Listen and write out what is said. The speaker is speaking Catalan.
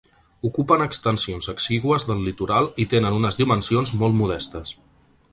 Ocupen extensions exigües del litoral i tenen unes dimensions molt modestes.